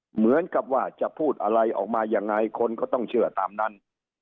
เหมือนกับว่าจะพูดอะไรออกมายังไงคนก็ต้องเชื่อตามนั้น